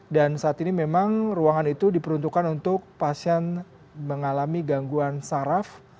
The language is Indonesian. dan saat ini memang ruangan itu diperuntukkan untuk pasien mengalami gangguan saraf